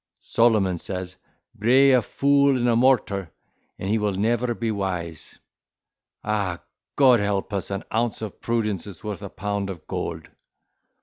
—Solomon says, 'Bray a fool in a mortar, and he will never be wise.' Ah! God help us, an ounce of prudence is worth a pound of gold."